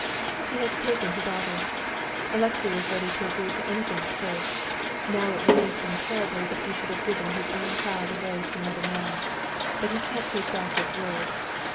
"He has taken her daughter. Alexey was ready to agree to anything at first. Now it worries him terribly that he should have given his own child away to another man. But he can't take back his word.